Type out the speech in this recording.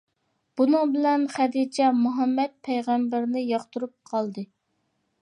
بۇنىڭ بىلەن خەدىچە مۇھەممەد پەيغەمبەرنى ياقتۇرۇپ قالدى.